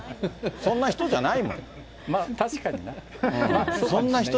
そんな人じゃない。